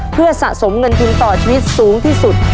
เพื่อสะสมเงินทุนต่อชีวิตสูงที่สุด